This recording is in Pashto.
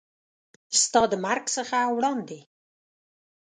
ستا د مرګ څخه وړاندې